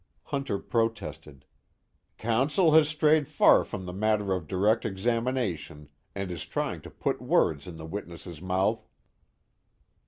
Hunter protested: "Counsel has strayed far from the matter of direct examination, and is trying to put words in the witness's mouth."